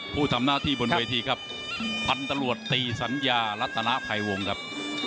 พูดจำนาธิบนวยที่ครับพัฒนตลวดตีสัญญารัฐนาภัยวงครับ